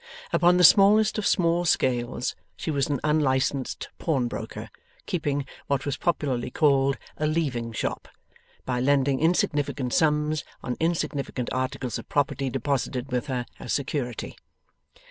Upon the smallest of small scales, she was an unlicensed pawnbroker, keeping what was popularly called a Leaving Shop, by lending insignificant sums on insignificant articles of property deposited with her as security.